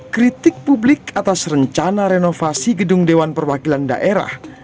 kritik publik atas rencana renovasi gedung dewan perwakilan daerah